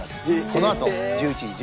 このあと１１時１５分。